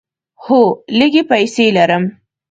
هو، لږې پیسې لرم